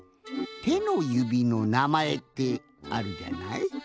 ての指のなまえってあるじゃない？